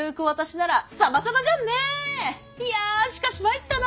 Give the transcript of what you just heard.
いやしかしまいったな！